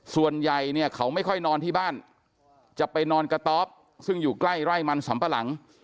ส่วนใหญ่เนี่ยเขาไม่ค่อยนอนที่บ้านจะไปนอนกระต๊อบซึ่งอยู่ใกล้ไร่มันสำปะหลัง